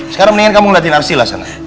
sekarang mendingan kamu ngeliatin arsila sana